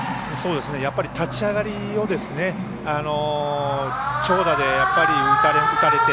やっぱり立ち上がりを長打で打たれて。